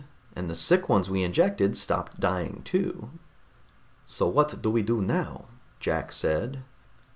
"And the sick ones we injected stopped dying, too." "So what do we do now?" Jack said.